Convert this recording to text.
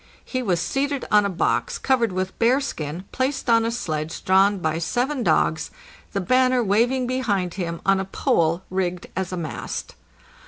He was seated on a box covered with bearskin placed on a sledge drawn by seven dogs, the banner waving behind him on a pole rigged as a mast.